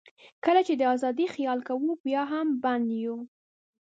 کله چې د آزادۍ خیال کوو، بیا هم بند یو.